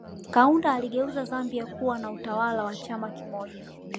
Kaunda aliigeuza Zambia kuwa na utawala wa chama kimoja